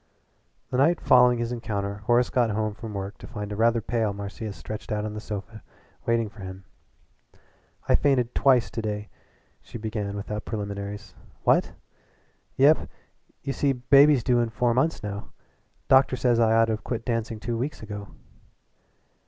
The night following this encounter Horace got home from work to find a rather pale Marcia stretched out on the sofa waiting for him. "I fainted twice to day," she began without preliminaries. "What?" "Yep. You see baby's due in four months now. Doctor says I ought to have quit dancing two weeks ago."